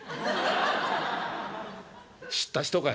「知った人かい？